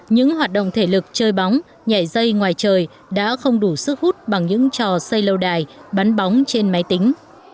những hoạt động thể lực chơi bóng nhảy dây ngoài trời đã không đủ sức hút bằng những trò xây lâu đài bắn bóng trên máy tính